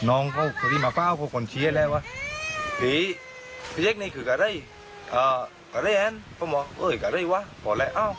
โอ้โหเค้าไม่ได้เอามาลำเดียวด้วย